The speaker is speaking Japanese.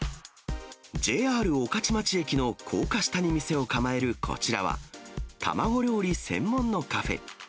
ＪＲ御徒町駅の高架下に店を構えるこちらは、卵料理専門のカフェ。